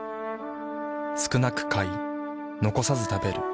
少なく買い残さず食べる。